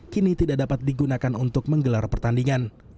kini tidak dapat digunakan untuk menggelar pertandingan